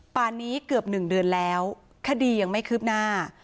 ป่านนี้เกือบ๑เดือนแล้วคดียังไม่คืบหน้า